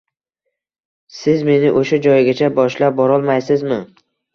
Siz meni o`sha joygacha boshlab borolmaysizmi